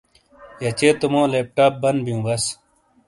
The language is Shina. یچے تو مو لیپ ٹاپ بن بیوبس۔